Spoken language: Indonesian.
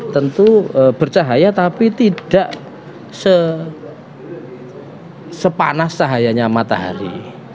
tentu bercahaya tapi tidak sepanas cahayanya matahari